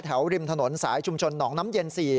ริมถนนสายชุมชนหนองน้ำเย็น๔